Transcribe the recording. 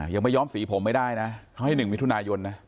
อย่าไปย้อมสีผมไม่ได้นะเขาให้หนึ่งมีทุนายนนะ